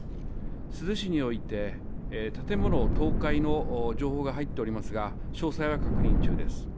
珠洲市において、建物倒壊の情報が入っておりますが、詳細は確認中です。